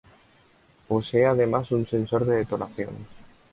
Posee además un sensor de detonación.